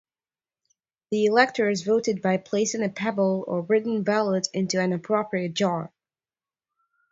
The electors voted by placing a pebble or written ballot into an appropriate jar.